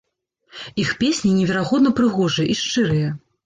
Іх песні неверагодна прыгожыя і шчырыя.